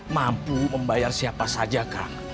mampu membayar siapa saja kang